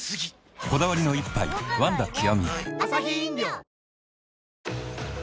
こだわりの一杯「ワンダ極」